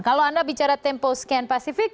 kalau anda bicara tempo scan pasifik